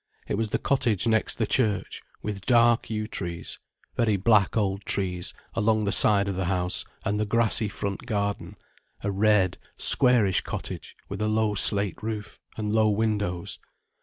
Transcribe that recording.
It was the cottage next the church, with dark yew trees, very black old trees, along the side of the house and the grassy front garden; a red, squarish cottage with a low slate roof, and low windows.